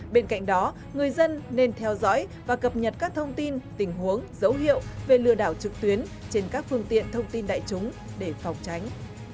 bên cạnh đó người dân nên theo dõi và cập nhật các thông tin tình huống dấu hiệu về lừa đảo trực tuyến trên các phương tiện thông tin đại chúng để phòng tránh